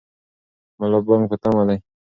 ملا بانګ په تمه دی.